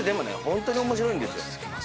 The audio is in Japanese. ホントに面白いんですよ。